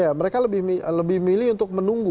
ya mereka lebih milih untuk menunggu